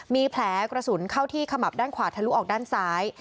มีแผลกระสุนเข้าที่ขมับด้านขวาทะลุออกด้านซ้าย